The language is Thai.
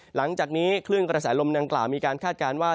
หลังจากนี้คลื่นกระแสลมดังกล่าวมีการคาดการณ์ว่า